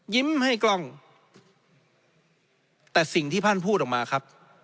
ยิ้มให้กล้องแต่สิ่งที่ท่านพูดออกมาครับ